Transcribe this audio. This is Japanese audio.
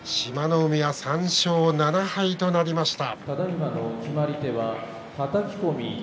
海は３勝７敗となりました。